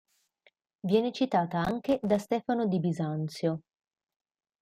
Viene citata anche da Stefano di Bisanzio.